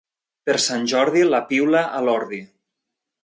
Per Sant Jordi, la piula a l'ordi.